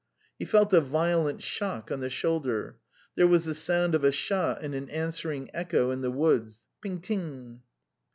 ... He felt a violent shock on the shoulder; there was the sound of a shot and an answering echo in the mountains: ping ting!